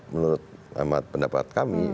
menurut pendapat kami